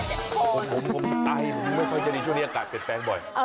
ผมตายไม่ค่อยจะได้ช่วงนี้อากาศเป็นแปลงบ่อย